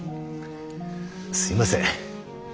すいません。